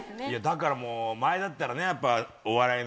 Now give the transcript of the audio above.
だからもう前だったらねやっぱ。